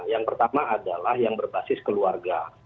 yang pertama adalah yang berbasis keluarga